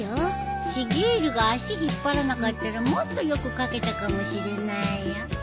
シゲールが足引っ張らなかったらもっとよく書けたかもしれないよ。